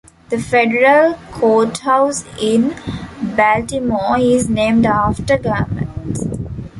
The federal courthouse in Baltimore is named after Garmatz.